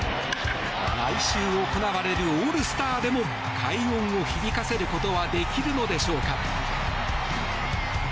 来週行われるオールスターでも快音を響かせることはできるのでしょうか。